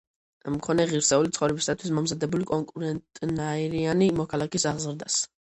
მქონე, ღირსეული ცხოვრებისათვის მომზადებული კონკურენტუნარიანი მოქალაქის აღზრდას,